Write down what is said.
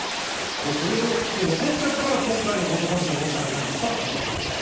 それで残っちゃったから、今回の強盗殺人が起きたんじゃないんですかと聞いてるんです。